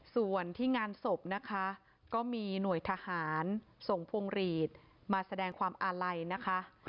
ส่วนที่งานศพนะคะก็มีหน่วยทหารส่งพวงหลีดมาแสดงความอาลัยนะคะ